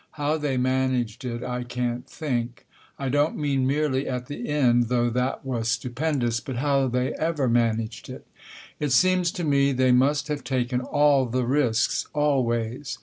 How they managed it I can't think. I don't mean merely at the end, though that was stupendous, but how they ever managed it. It seems to me they must have taken all the risks, always.